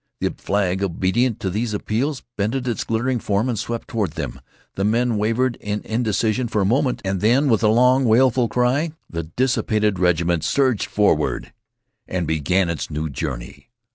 The flag, obedient to these appeals, bended its glittering form and swept toward them. The men wavered in indecision for a moment, and then with a long, wailful cry the dilapidated regiment surged forward and began its new journey.